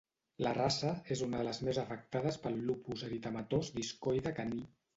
La raça és una de les més afectades pel lupus eritematós discoide caní.